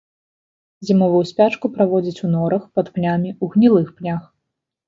Зімовую спячку праводзіць у норах, пад пнямі, у гнілых пнях.